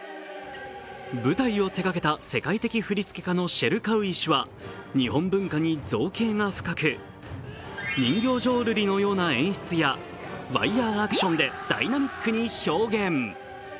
舞台を手掛けた世界的振り付け家のシェルカウイ氏は日本文化に造詣が深く、人形浄瑠璃のような演出やワイヤーアクションでダイナミックに表現。